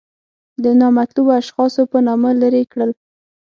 د نامطلوبو اشخاصو په نامه لرې کړل.